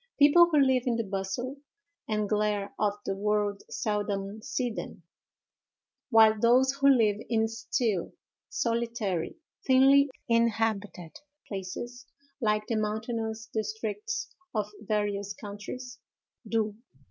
People who live in the bustle and glare of the world seldom see them, while those who live in still, solitary, thinly inhabited places, like the mountainous districts of various countries, do.